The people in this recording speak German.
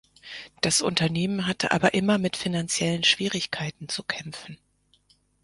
Das Unternehmen hatte aber immer mit finanziellen Schwierigkeiten zu kämpfen.